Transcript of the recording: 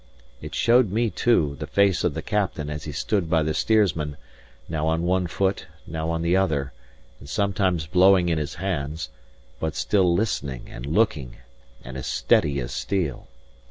It showed me, too, the face of the captain as he stood by the steersman, now on one foot, now on the other, and sometimes blowing in his hands, but still listening and looking and as steady as steel.